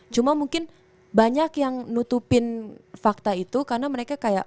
cuma mungkin banyak yang nutupin fakta itu karena mereka kayak